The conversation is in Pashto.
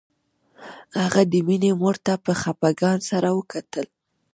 هغه د مينې مور ته په خپګان سره وکتل